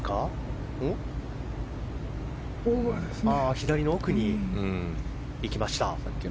左の奥にいきました。